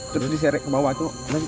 terus diserek ke bawah